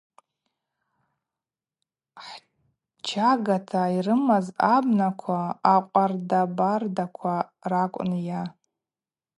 Хчагата йрымаз абнаква, акъвардабардаква ракӏвын-йа.